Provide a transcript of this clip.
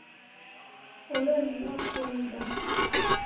Ulo ni lwafuo lubaa.